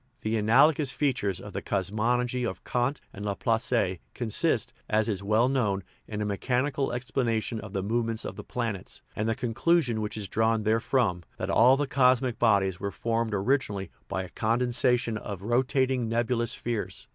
The analo gous features of the cosmogony of Kant and Laplace consist, as is well known, in a mechanical explana tion of the movements of the planets, and the conclu sion which is drawn therefrom, that all the cosmic bodies were formed originally by a condensation of rotating nebulous spheres.